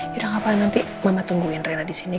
gak apa apa nanti mama tungguin rena di sini